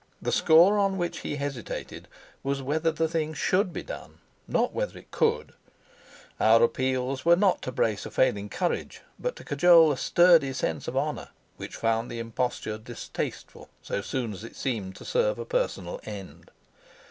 The score on which he hesitated was whether the thing should be done, not whether it could; our appeals were not to brace a failing courage, but cajole a sturdy sense of honor which found the imposture distasteful so soon as it seemed to serve a personal end.